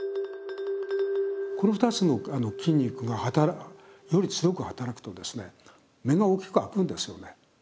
この２つの筋肉がより強く働くと目が大きく開くんですよね。